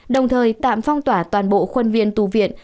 đồng thời tạm phong tỏa toàn bộ khuôn viên tu viện